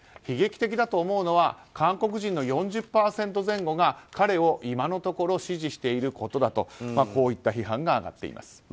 悲劇的だと思うのは韓国人の４０％前後が彼を今のところ支持していることだとこういった批判が上がっています。